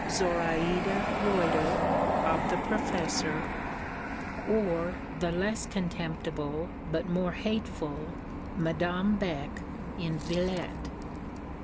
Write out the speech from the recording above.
Zoraïde Reuter, of the Professor: or the less contemptible but more hateful Madame Beck, in Villette.